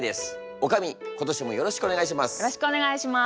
おかみ今年もよろしくお願いします。